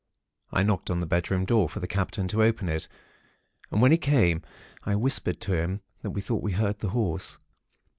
I knocked on the bedroom door, for the Captain to open it, and when he came, I whispered to him that we thought we heard the Horse.